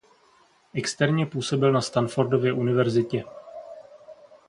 Externě působil na Stanfordově univerzitě.